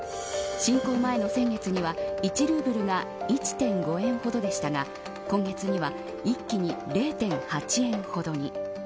侵攻前の先月には１ルーブルが１．５円ほどでしたが今月には一気に０．８円ほどに。